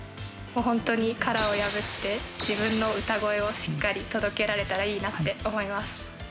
ホントに殻を破って自分の歌声をしっかり届けられたらいいなって思います